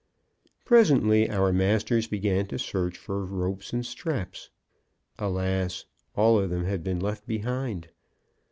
Presently our masters began search for ropes and straps. Alas! all of them had been left behind.